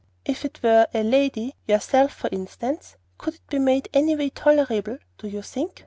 "If it were a lady, yourself, for instance, could it be made anyway tolerable, do you think?